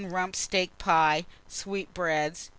Rump steak pie, sweetbreads.